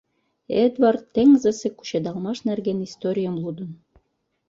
Эдвард теҥызысе кучедалмаш нерген историйым лудын.